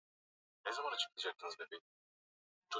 alikuwa anatoa maonyo kutoka kwa vyombo vingine